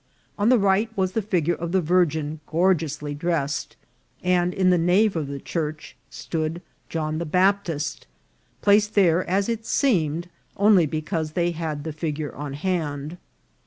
On the right was the figure of the Virgin gorgeously dressed, and in the nave of the church stood John the Baptist, placed there, as it seemed, only because they had the figure oiri hand.